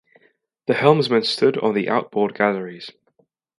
The helmsmen stood on the outboard galleries.